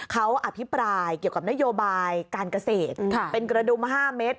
เขาอภิปรายเกี่ยวกับนโยบายการเกษตรเป็นกระดุม๕เมตร